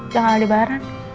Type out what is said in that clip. jangan alde baran